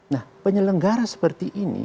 nah penyelenggara seperti ini